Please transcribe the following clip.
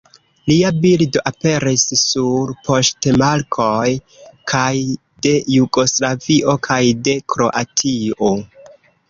Lia bildo aperis sur poŝtmarkoj kaj de Jugoslavio kaj de Kroatio.